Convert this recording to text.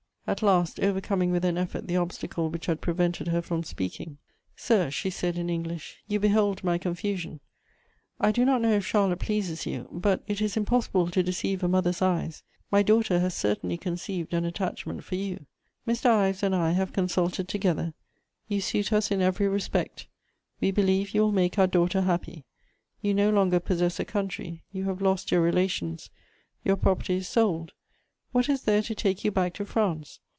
At last, overcoming with an effort the obstacle which had prevented her from speaking: "Sir," she said in English, "you behold my confusion: I do not know if Charlotte pleases you, but it is impossible to deceive a mother's eyes; my daughter has certainly conceived an attachment for you. Mr. Ives and I have consulted together: you suit us in every respect; we believe you will make our daughter happy. You no longer possess a country; you have lost your relations; your property is sold: what is there to take you back to France?